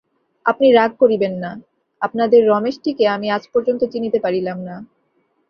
আপনি রাগ করিবেন না, আপনাদের রমেশটিকে আমি আজ পর্যন্ত চিনিতে পারিলাম না।